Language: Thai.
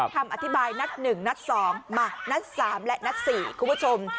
คำอธิบายนัดหนึ่งนัดสองมานัดสามและนัดสี่คุณผู้ชม